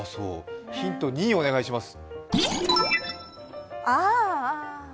ヒント２お願いします。